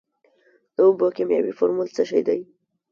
د اوبو کیمیاوي فارمول څه شی دی.